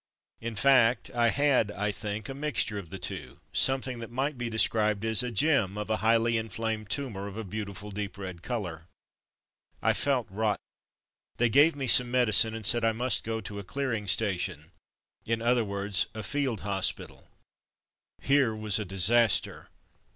In fact I had, I think, a mixture of the two, some thing that might be described as ^'A gem of a highly inflamed tumour, of a beautiful deep red colour/' I felt rotten. They gave me some medi cine and said I must go to a clearing station — in other words, a field hospital. Here was a disaster!